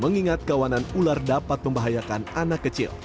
mengingat kawanan ular dapat membahayakan anak kecil